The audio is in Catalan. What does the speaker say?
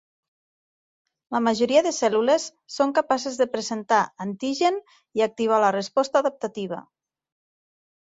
La majoria de cèl·lules són capaces de presentar antigen i activar la resposta adaptativa.